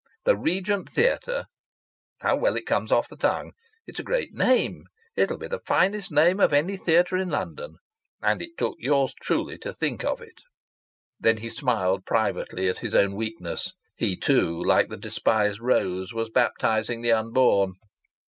... 'The Regent Theatre'! How well it comes off the tongue! It's a great name! It'll be the finest name of any theatre in London! And it took yours truly to think of it!" Then he smiled privately at his own weakness.... He too, like the despised Rose, was baptizing the unborn!